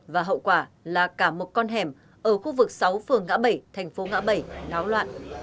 và hậu quả là cả một con hẻm ở khu vực sáu phường ngã bảy thành phố ngã bảy náo loạn